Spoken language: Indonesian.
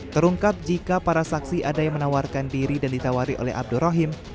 terungkap jika para saksi ada yang menawarkan diri dan ditawari oleh abdur rahim